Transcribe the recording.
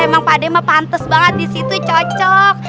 emang pade mah pantas banget disitu cocok